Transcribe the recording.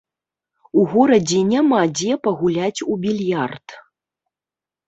У горадзе няма дзе пагуляць у більярд.